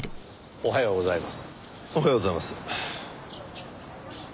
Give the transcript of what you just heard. おはようございます。